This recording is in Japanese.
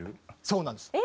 そうなんです。